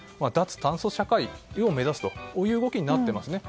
脱炭素社会を目指すという動きになっています。